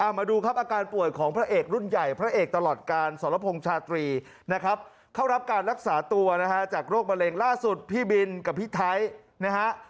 มาจากโรคมะเร็งล่าสุดพี่บินกับพี่ไท้นะฮะ